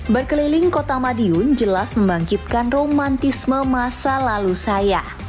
berkeliling kota madiun jelas membangkitkan romantisme masa lalu saya